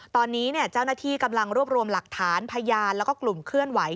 ตอนนี้เจ้าหน้าที่กำลังรวบรวมหลักฐานพยานแล้วก็กลุ่มเคลื่อนไหว